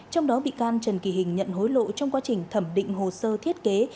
trong đó bị can trần kỳ hình nhận hối lộ trong quá trình thẩm định hồ sơ thiết kế